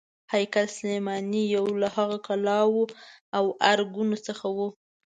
هیکل سلیماني یو له هغو کلاوو او ارګونو څخه و.